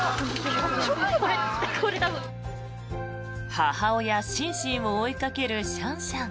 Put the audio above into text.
母親、シンシンを追いかけるシャンシャン。